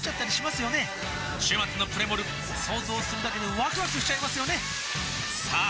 週末のプレモル想像するだけでワクワクしちゃいますよねさあ